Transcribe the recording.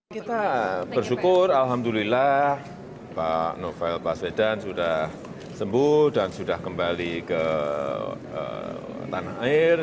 kita bersyukur alhamdulillah pak novel baswedan sudah sembuh dan sudah kembali ke tanah air